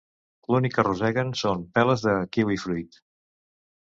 L'únic que roseguen són peles de kiwifruit.